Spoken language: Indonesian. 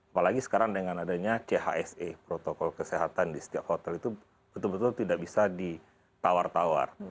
apalagi sekarang dengan adanya chse protokol kesehatan di setiap hotel itu betul betul tidak bisa ditawar tawar